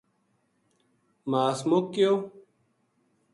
ماس مُک گیو